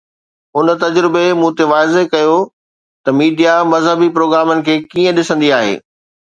ان تجربي مون تي واضح ڪيو ته ميڊيا مذهبي پروگرامن کي ڪيئن ڏسندي آهي.